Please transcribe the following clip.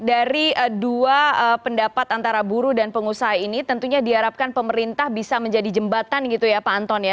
dari dua pendapat antara buruh dan pengusaha ini tentunya diharapkan pemerintah bisa menjadi jembatan gitu ya pak anton ya